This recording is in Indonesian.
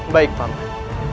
baik pak man